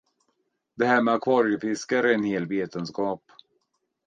Det här med akvariefiskar är en hel vetenskap.